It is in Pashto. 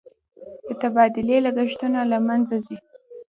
د تبادلې لګښتونه له منځه ځي.